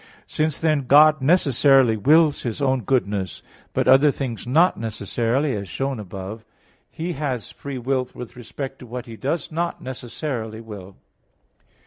Since then God necessarily wills His own goodness, but other things not necessarily, as shown above (A. 3), He has free will with respect to what He does not necessarily will.